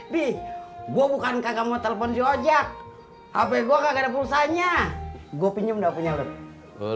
nih gua bukan kagak mau telepon di ojek hp gua kagak ada pulsanya gue pinjem dah punya lu